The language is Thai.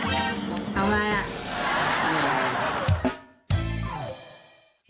เอัมไแล้อ่ะ